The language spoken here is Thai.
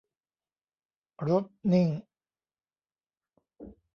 รถนิ่ง